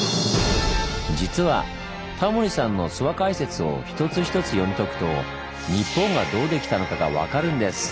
実はタモリさんの諏訪解説を一つ一つ読み解くと「日本」がどうできたのかが分かるんです！